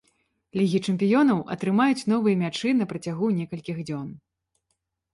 Лігі чэмпіёнаў, атрымаюць новыя мячы на працягу некалькіх дзён.